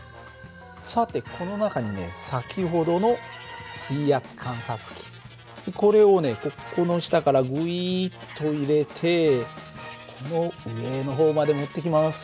さてこの中にね先ほどの水圧観察器これをねここの下からグイッと入れてこの上の方まで持ってきます。